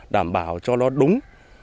đảm bảo cho nó đúng